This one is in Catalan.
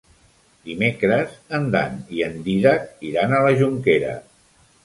Dimecres en Dan i en Dídac iran a la Jonquera.